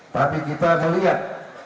tapi kita melihat